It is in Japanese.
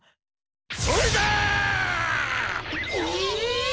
それだ！え？